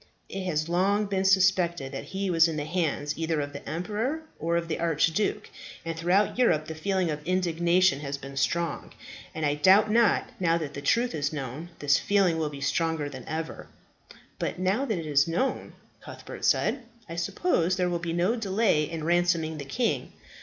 It has long been suspected that he was in the hands either of the emperor, or of the archduke, and throughout Europe the feeling of indignation has been strong; and I doubt not, now that the truth is known, this feeling will be stronger than ever." "But, now that it is known," Cuthbert said, "I suppose there will be no delay in ransoming the king."